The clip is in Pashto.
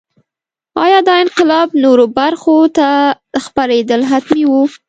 ایا دا انقلاب نورو برخو ته خپرېدل حتمي وو.